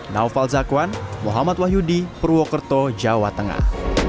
naufal zakwan muhammad wahyudi purwokerto jawa tengah